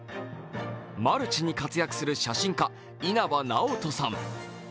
マルチに活躍する写真家、稲葉なおとさん。